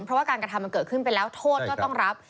เพราะว่าการกระทำมันเกิดขึ้นไปแล้วโทษก็ต้องรับ